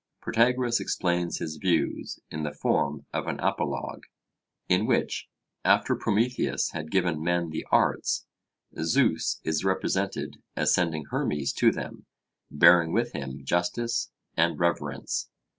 Protagoras explains his views in the form of an apologue, in which, after Prometheus had given men the arts, Zeus is represented as sending Hermes to them, bearing with him Justice and Reverence.